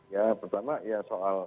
ya pertama ya soal